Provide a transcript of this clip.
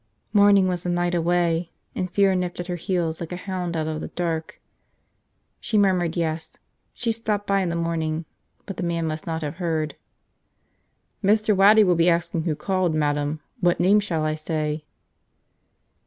Morning was a night away, and fear nipped at her heels like a hound out of the dark. She murmured yes, she'd stop by in the morning, but the man must not have heard. "Mr. Waddy will be asking who called, Madam. What name shall I say?"